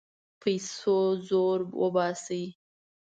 پیسو زور وباسي.